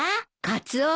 カツオ